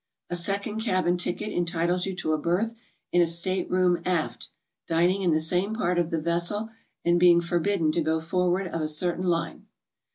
A second cabin ticket entitles you to a berth in a state room aft, dining in the same part of the vessel, and being for bidden to go forward of a certain line.